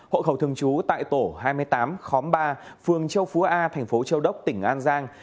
hộ khẩu thường trú tại tổ hai mươi tám khóm ba phường châu phú a thành phố châu đốc tỉnh an giang